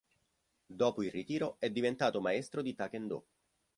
Dopo il ritiro è diventato maestro di taekwondo.